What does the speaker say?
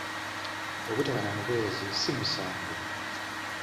Obutaba na mubeezi si musango.